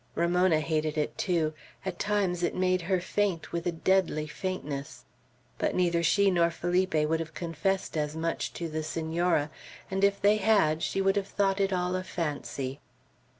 Ramona hated it too. At times it made her faint, with a deadly faintness. But neither she nor Felipe would have confessed as much to the Senora; and if they had, she would have thought it all a fancy.